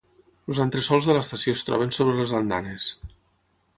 Els entresols de l'estació es troben sobre les andanes.